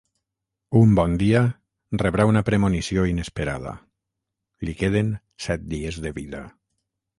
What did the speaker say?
Un bon dia, rebrà una premonició inesperada: li queden set dies de vida.